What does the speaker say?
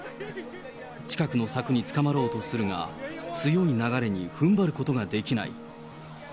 近くの柵につかまろうとするが、強い流れにふんばることができない。